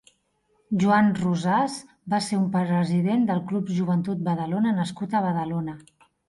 Joan Rosàs va ser un president del Club Joventut Badalona nascut a Badalona.